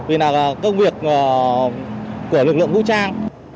vì là công việc của lực lượng vũ trang